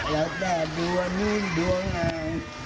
แล้วแต่ดวงนิ่งดวงอาย